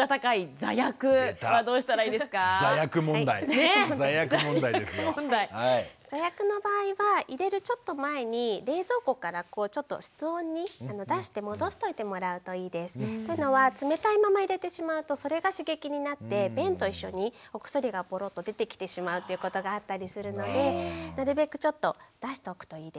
座薬の場合は入れるちょっと前にというのは冷たいまま入れてしまうとそれが刺激になって便と一緒にお薬がポロッと出てきてしまうことがあったりするのでなるべくちょっと出しておくといいです。